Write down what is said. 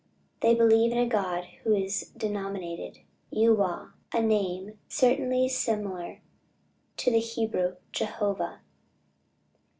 "They believe in a God who is denominated Yu wah," a name certainly similar to the Hebrew Jehovah.